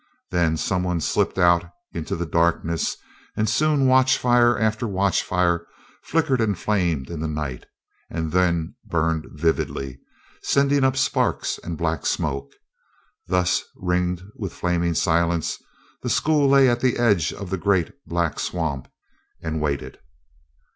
Then some one slipped out into the darkness and soon watch fire after watch fire flickered and flamed in the night, and then burned vividly, sending up sparks and black smoke. Thus ringed with flaming silence, the school lay at the edge of the great, black swamp and waited.